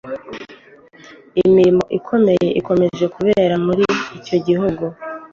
Iyi mirwano ikomeye ikomeje kubera muri icyo gihugu